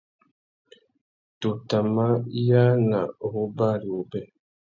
Tu tà mà yāna u wú bari wubê.